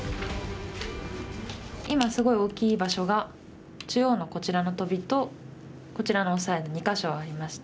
今すごい大きい場所が中央のこちらのトビとこちらのオサエの２か所ありまして。